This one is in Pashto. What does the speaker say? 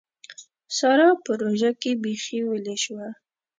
سارا په روژه کې بېخي ويلې شوه.